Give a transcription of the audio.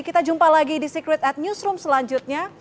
kita jumpa lagi di secret at newsroom selanjutnya